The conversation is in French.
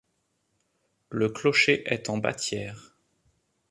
Le clocher est en bâtière.